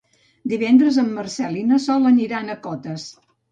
Divendres en Marcel i na Sol aniran a Cotes.